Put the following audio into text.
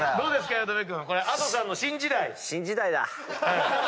八乙女君これＡｄｏさんの『新時代』